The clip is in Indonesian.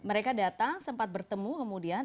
mereka datang sempat bertemu kemudian